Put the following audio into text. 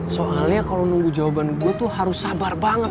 soalnya kalau nunggu jawaban gue tuh harus sabar banget